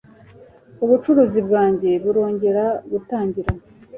Ubucuruzi bwanjye burongera gutangira.